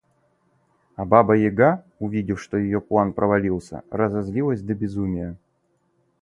А баба-яга, увидев, что ее план провалился, разозлилась до безумия.